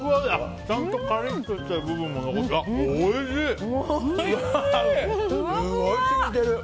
ちゃんとカリッとした部分もすごい染みてる！